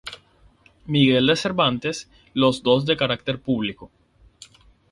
Miguel de Cervantes", los dos de carácter público.